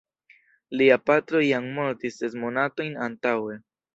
Lia patro jam mortis ses monatojn antaŭe.